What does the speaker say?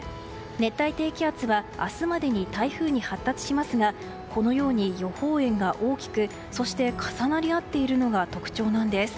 熱帯低気圧は明日までに台風に発達しますがこのように予報円が大きくそして重なり合っているのが特徴なんです。